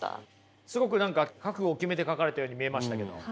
すごく何か覚悟を決めて書かれたように見えましたけども。